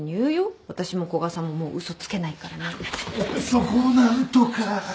そこを何とか。